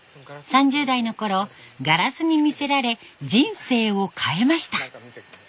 ３０代のころガラスに魅せられ人生を変えました。